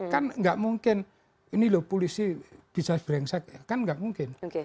kan tidak mungkin ini loh polisi bisa berengsek kan tidak mungkin